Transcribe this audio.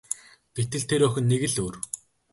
Гэтэл тэр охин нэг л өөр.